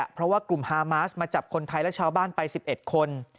เพราะว่ากลุ่มฮามาสมาจับคนไทยและชาวบ้านไป๑๑คน